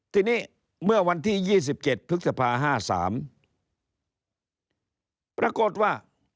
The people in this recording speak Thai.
ทีนี้เมื่อวันที่๒๗พฤษภา๕๓ปรากฏว่า